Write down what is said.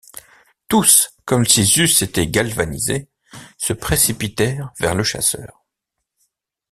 Tous, comme s’ils eussent été galvanisés, se précipitèrent vers le chasseur.